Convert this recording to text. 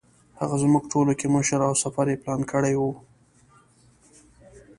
هغه زموږ ټولو کې مشر او سفر یې پلان کړی و.